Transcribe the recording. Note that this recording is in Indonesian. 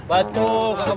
betul kakak bos